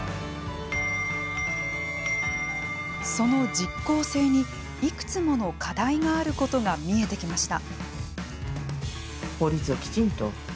その実効性に、いくつもの課題があることが見えてきました。